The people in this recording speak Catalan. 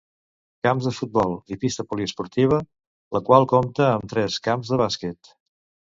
Camps de futbol i pista poliesportiva, la qual compta amb tres camps de bàsquet.